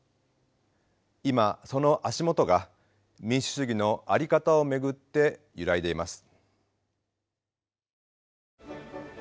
今その足元が民主主義の在り方を巡って揺らいでいます。